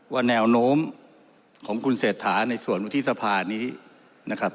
แนวโน้มของคุณเศรษฐาในส่วนวุฒิสภานี้นะครับ